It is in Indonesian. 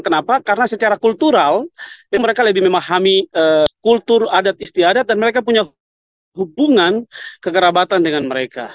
kenapa karena secara kultural mereka lebih memahami kultur adat istiadat dan mereka punya hubungan kekerabatan dengan mereka